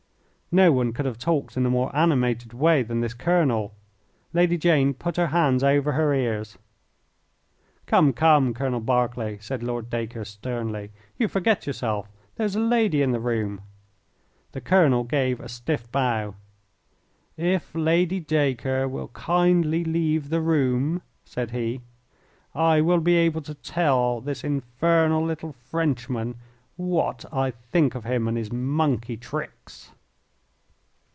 No one could have talked in a more animated way than this colonel. Lady Jane put her hands over her ears. "Come, come, Colonel Berkeley," said Lord Dacre, sternly, "you forget yourself. There is a lady in the room." The colonel gave a stiff bow. "If Lady Dacre will kindly leave the room," said he, "I will be able to tell this infernal little Frenchman what I think of him and his monkey tricks."